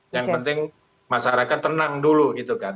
yang penting masyarakat tenang dulu gitu kan